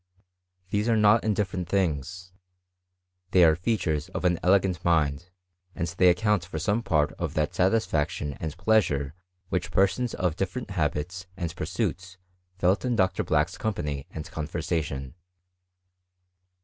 These are not indifferent things ; they are features of an elegant mind, and they account for some part of that satisfaction and pleasure which persons of different habits and pursuits felt in Dr« Black*s company and conversation.